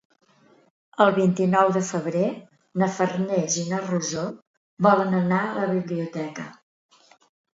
El vint-i-nou de febrer na Farners i na Rosó volen anar a la biblioteca.